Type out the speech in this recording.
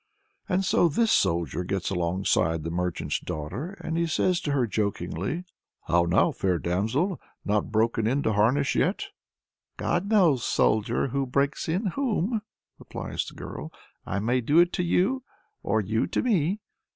And so this Soldier gets alongside of the merchant's daughter, and says to her jokingly "How now, fair damsel! not broken in to harness yet?" "God knows, soldier, who breaks in whom," replies the girl. "I may do it to you, or you to me."